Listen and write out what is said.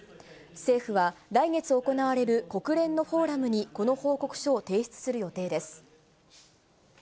政府は、来月行われる国連のフォーラムにこの報告書を提出する予定です。